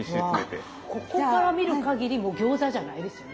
ここから見るかぎりもう餃子じゃないですよね。